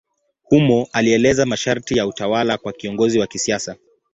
Humo alieleza masharti ya utawala kwa kiongozi wa kisiasa.